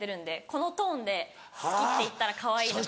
このトーンで「好き」って言ったらかわいいとか。